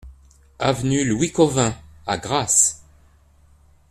Avenue Louis Cauvin à Grasse